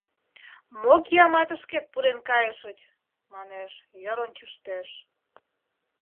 Мо кияматышкет пурен кайышыч? — манеш, йыр ончыштеш.